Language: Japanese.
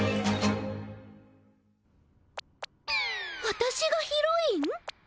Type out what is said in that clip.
わたしがヒロイン？